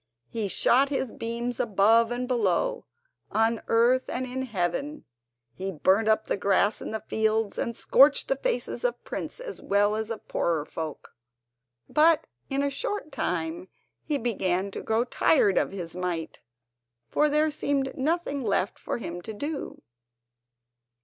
He shot his beams above and below, on earth and in heaven; he burnt up the grass in the fields and scorched the faces of princes as well as of poorer folk. But in a short time he began to grow tired of his might, for there seemed nothing left for him to do.